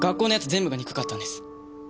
全部が憎かったんです。